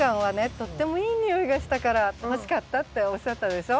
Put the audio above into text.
とってもいい匂いがしたから欲しかったっておっしゃったでしょ。